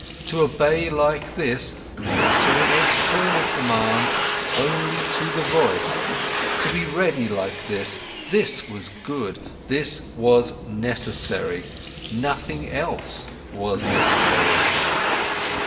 To obey like this, not to an external command, only to the voice, to be ready like this, this was good, this was necessary, nothing else was necessary.